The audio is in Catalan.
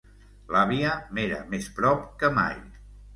L'àvia m'era més prop que mai.